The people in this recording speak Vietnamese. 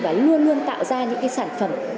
và luôn luôn tạo ra những cái sản phẩm